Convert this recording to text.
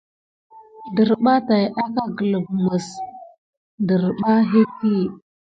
Nderɓa tät ɗay akà delif mis ŋderba hiki.